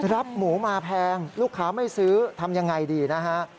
รับหมูมาแพงลูกค้าไม่ซื้อทำยังไงดีนะฮะ